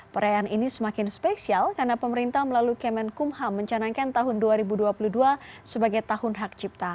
perayaan ini semakin spesial karena pemerintah melalui kemenkumham mencanangkan tahun dua ribu dua puluh dua sebagai tahun hak cipta